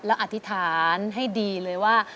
แล้วอธิษฐานให้ดีเลยว่า